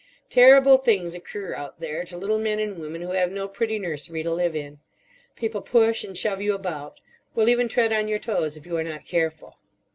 Terrible things occur out there to little men and women who have no pretty nursery to live in. People push and shove you about, will even tread on your toes if you are not careful.